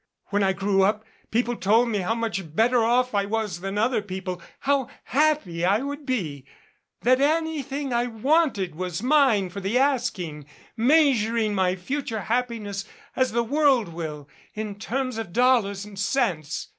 When I grew up, people told me how much better off I was than other people, how happy I would be that anything I wanted was mine for the asking, measuring my future happiness as the world will in terms of dollars and cents.